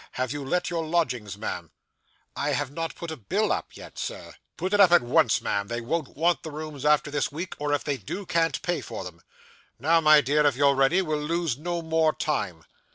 Have you let your lodgings, ma'am?' 'I have not put a bill up yet, sir.' 'Put it up at once, ma'am; they won't want the rooms after this week, or if they do, can't pay for them. Now, my dear, if you're ready, we'll lose no more time.